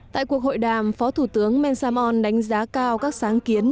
tại cuộc hội đàm phó thủ tướng men samon đánh giá cao các sáng kiến